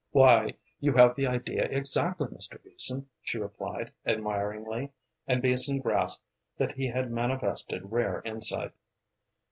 "Why, you have the idea exactly, Mr. Beason," she replied, admiringly, and Beason grasped that he had manifested rare insight.